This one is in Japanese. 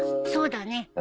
そうだね。